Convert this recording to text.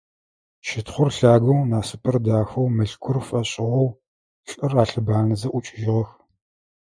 Щытхъур лъагэу, Насыпыр дахэу, Мылъкур фэшӏыгъэу, лӏыр алъыбанэзэ, ӏукӏыжьыгъэх.